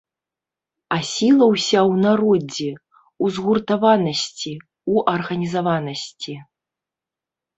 А сіла ўся ў народзе, у згуртаванасці, у арганізаванасці.